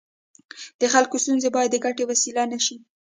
د خلکو ستونزې باید د ګټې وسیله نه شي.